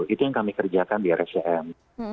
itu yang kami kerjakan di rscm